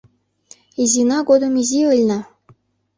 Изина годым изи ыльна.